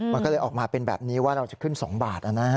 มันก็เลยออกมาเป็นแบบนี้ว่าเราจะขึ้น๒บาท